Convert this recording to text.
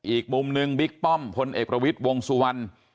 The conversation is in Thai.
อีกมุมหนึ่งบิ๊กป้อมพลเอกประวิทย์วงสุวรรณ